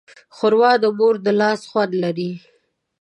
ښوروا د مور د لاس خوند لري.